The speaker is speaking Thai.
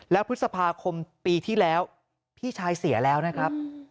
แล้วพฤษภาคมปีที่แล้วพี่ชายเสียแล้วนะครับ